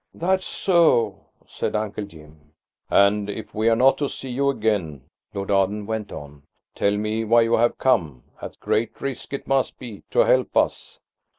"That's so," said Uncle Jim. "And if we're not to see you again," Lord Arden went on, "tell me why you have come–at great risk it must be–to help us."